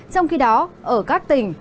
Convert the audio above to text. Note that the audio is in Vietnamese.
trong khi đó ở các tỉnh